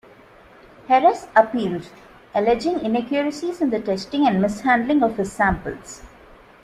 Heras appealed, alleging inaccuracies in the testing and mishandling of his samples.